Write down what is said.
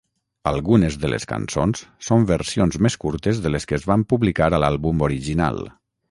Algunes de les cançons són versions més curtes de les que es van publicar a l'àlbum original.